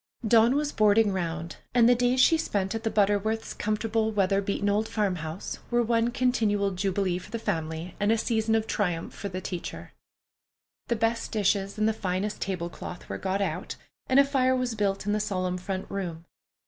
Dawn was "boarding round," and the days she spent at the Butterworths' comfortable, weather beaten old farmhouse were one continual jubilee for the family, and a season of triumph for the teacher. The best dishes and the finest table cloth were got out, and a fire was built in the solemn front room.